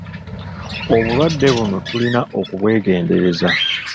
Obulwadde buno tulina okubwegendereza.